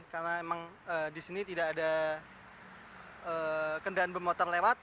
karena emang disini tidak ada kendaraan bermotor lewat